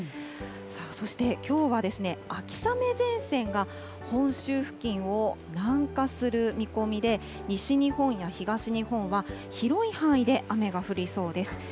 そしてきょうはですね、秋雨前線が本州付近を南下する見込みで、西日本や東日本は広い範囲で雨が降りそうです。